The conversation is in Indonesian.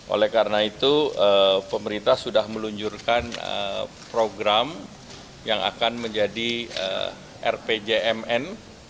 oleh karena itu pemerintah sudah meluncurkan program yang akan menjadi rpjmn